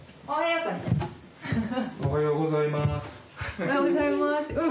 「おはようございます」って。